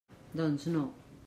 Doncs, no.